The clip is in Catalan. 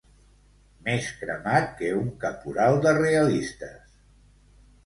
Més cremat que un caporal de realistes.